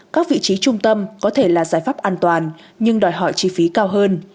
các vị trí trung tâm có thể là giải pháp an toàn nhưng đòi hỏi chi phí cao hơn